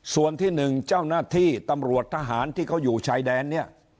ส่วนที่๑เจ้าหน้าที่ตำรวจทหารที่เขาอยู่ชายแดนเนี่ย